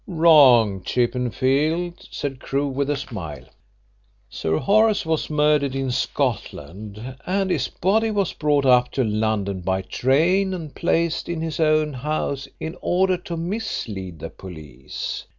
"Wrong, Chippenfield," said Crewe, with a smile. "Sir Horace was murdered in Scotland and his body was brought up to London by train and placed in his own house in order to mislead the police.